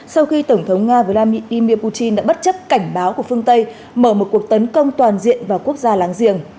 sau khi tổng thống nga vladimir putin đã bất chấp cảnh báo của phương tây mở một cuộc tấn công toàn diện vào quốc gia láng giềng